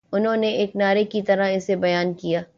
انہوں نے ایک نعرے کی طرح اسے بیان کیا